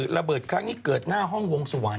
ระเบิดครั้งนี้เกิดหน้าห้องวงสุวรรค